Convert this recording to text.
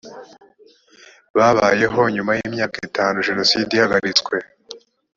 babayeho nyuma y imyaka itanu jenoside ihagaritswe